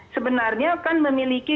sebenarnya kan memiliki